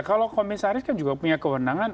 kalau komisaris kan juga punya kewenangan